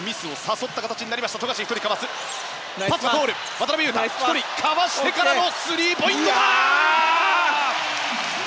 渡邊雄太、かわしてからのスリーポイント！